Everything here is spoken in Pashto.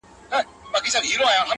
• خلکو آباد کړل خپل وطنونه -